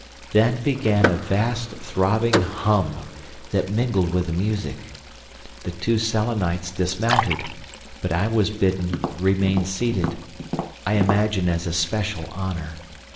Then began a vast throbbing hum, that mingled with the music. The two Selenites dismounted, but I was bidden remain seated—I imagine as a special honour.